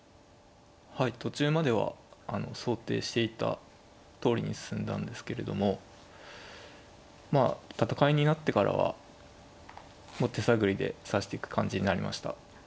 はい途中までは想定していたとおりに進んだんですけれどもまあ戦いになってからはもう手探りで指してく感じになりました。